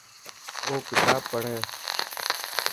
او ڪتاب پڙهه